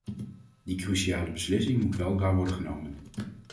Die cruciale beslissing moet weldra worden genomen.